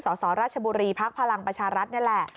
สสราชบุรีภักดิ์พลังประชารัฐนี่แหละ